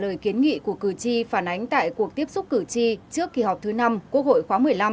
lời kiến nghị của cử tri phản ánh tại cuộc tiếp xúc cử tri trước kỳ họp thứ năm quốc hội khóa một mươi năm